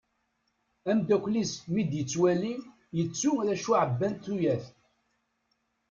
Ameddakel-is mi d-yettwali, yettu acu ɛebbant tuyat.